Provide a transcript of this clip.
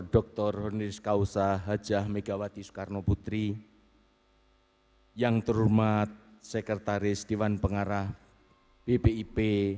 dr honir skausa hajah megawati soekarno putri yang terhormat sekretaris dewan pengarah ppip